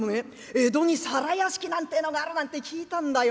江戸に皿屋敷なんてえのがあるなんて聞いたんだよ。